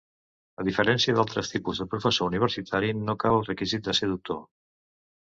A diferència d'altres tipus de professor universitari, no cal el requisit de ser doctor.